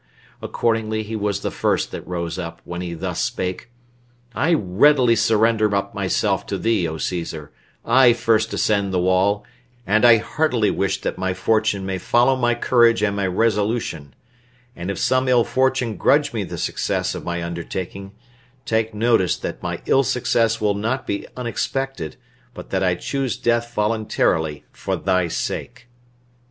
Accordingly he was the first that rose up, when he thus spake: "I readily surrender up myself to thee, O Caesar; I first ascend the wall, and I heartily wish that my fortune may follow my courage and my resolution And if some ill fortune grudge me the success of my undertaking, take notice that my ill success will not be unexpected, but that I choose death voluntarily for thy sake."